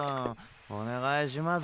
お願いします